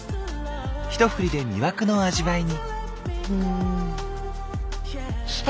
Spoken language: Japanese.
一振りで魅惑の味わいに。